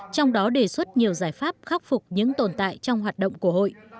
trong đó đề xuất nhiều giải pháp khắc phục những tồn tại trong hoạt động của hội